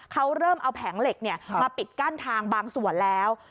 เขาเริ่มเอาแผงเหล็กมาปิดกั้นทางบางส่วนแล้ว